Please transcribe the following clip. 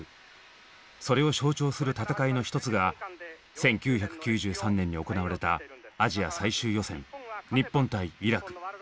それを象徴する戦いの一つが１９９３年に行われたアジア最終予選日本対イラク。